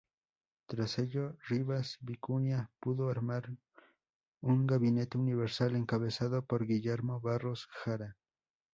Tras ello Rivas Vicuña pudo armar un gabinete universal, encabezado por Guillermo Barros Jara.